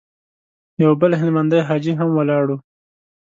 يو بل هلمندی حاجي هم ولاړ و.